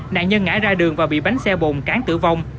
nạn nhân ngã ra đường và bị bánh xe bồn cán tử vong